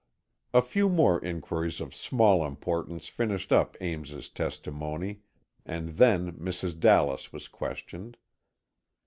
A few more inquiries of small importance finished up Ames's testimony and then Mrs. Dallas was questioned.